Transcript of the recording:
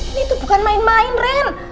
ini tuh bukan main main ren